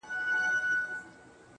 خــو ســــمـدم_